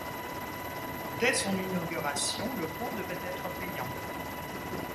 Dès son inauguration, le pont devait être payant.